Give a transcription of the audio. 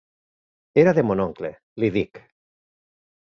Era de mon oncle, li dic.